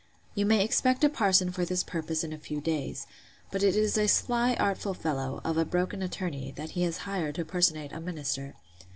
You may expect a parson, for this purpose, in a few days; but it is a sly artful fellow, of a broken attorney, that he has hired to personate a minister.